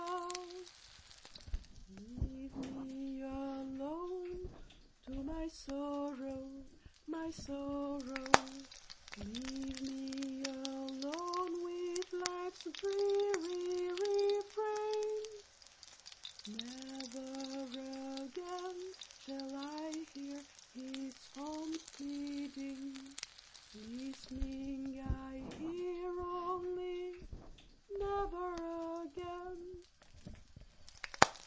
Leave me alone to my sorrow, my sorrow, Leave me alone with life's dreary refrain! Never again shall I hear his fond pleading, Listening I hear only "Never again!"